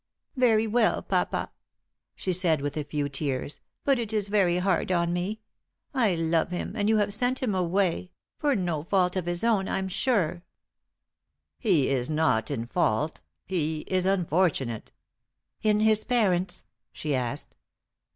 "Very well, papa," she said, with a few tears; "but it is very hard on me. I love him, and you have sent him away for no fault of his own, I'm sure." "He is not in fault he is unfortunate " "In his parents?" she asked.